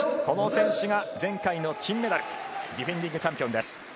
この選手が前回の金メダル。ディフェンディングチャンピオンです。